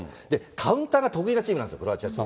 カウンターが得意なチームなんですよ、クロアチアは。